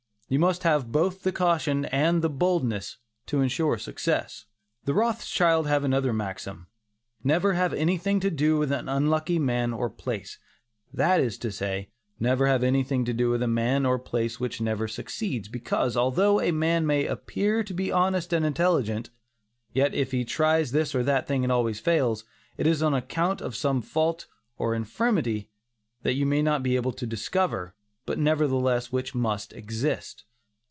You must have both the caution and the boldness, to insure success. The Rothschilds have another maxim: "Never have anything to do with an unlucky man or place." That is to say, never have anything to do with a man or place which never succeeds, because, although a man may appear to be honest and intelligent, yet if he tries this or that thing and always fails, it is on account of some fault or infirmity that you may not be able to discover, but nevertheless which must exist.